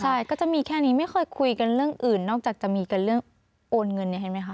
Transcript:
ใช่ก็จะมีแค่นี้ไม่เคยคุยกันเรื่องอื่นนอกจากจะมีกันเรื่องโอนเงินเนี่ยเห็นไหมคะ